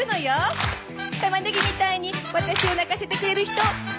たまねぎみたいに私を泣かせてくれる人早く現れて。